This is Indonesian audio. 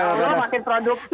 kalau makin produktif